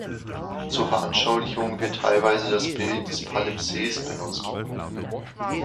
Zur Veranschaulichung wird teilweise das Bild des „Palimpsest“ benutzt.